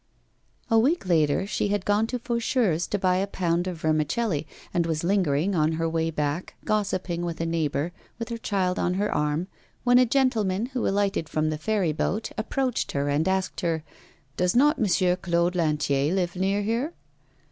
A week later she had gone to Faucheur's to buy a pound of vermicelli, and was lingering on her way back, gossiping with a neighbour, with her child on her arm, when a gentleman who alighted from the ferry boat approached and asked her: 'Does not Monsieur Claude Lantier live near here?